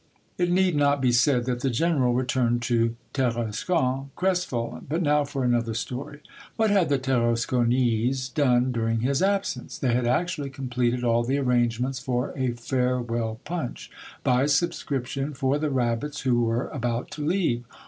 It need not be said that the general returned to Tarascon crestfallen. But now for another story ! What had the Tarasconese done during his absence? They had actually completed all the arrangements for a farewell punch, by subscription, for the rabbits who were about to leave